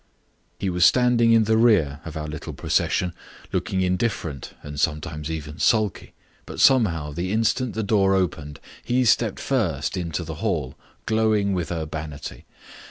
He was standing in the rear of our little procession, looking indifferent and sometimes even sulky, but somehow the instant the door opened he stepped first into the hall, glowing with urbanity.